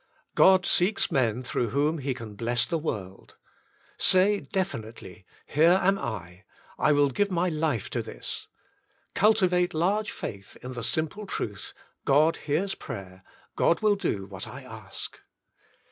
God seeks men through whom He can bless the world. Say definitely. Here am I : I will give my Moses, the Man of Prayer 31 life to this. Cultivate large faith in the simple truth : God hears prayer ; God will do what I ask.